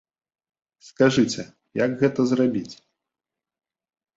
Скажыце, як гэта зрабіць?